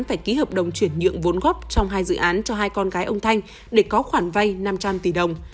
phải ký hợp đồng chuyển nhượng vốn góp trong hai dự án cho hai con gái ông thanh để có khoản vay năm trăm linh tỷ đồng